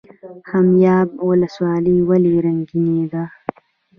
خمیاب ولسوالۍ ولې ریګي ده؟